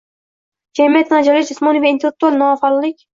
jamiyatdan ajralish, jismoniy va intellektual nofaollik